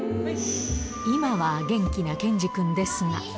今は元気な剣侍君ですが。